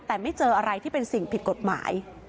แต่ไม่เจออะไรที่เป็นสิ่งผิดกฎหมาย